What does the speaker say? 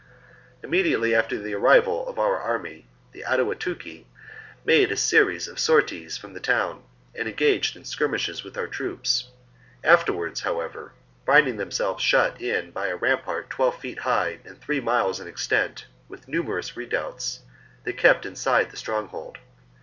Immediately after the arrival of our army, the Aduatuci made a series of sorties from the town and engaged in skirmishes with our troops ; afterwards, however, finding themselves shut in by a rampart twelve feet high and three miles in extent, with numerous redoubts, they kept inside the stronghold.